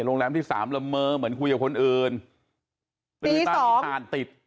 โรงแรมที่สามละเมอเหมือนคุยกับคนอื่นตีสองติด